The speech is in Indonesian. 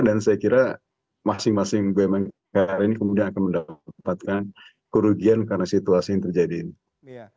dan saya kira masing masing bumn karya ini kemudian akan mendapatkan kerugian karena situasi yang terjadi ini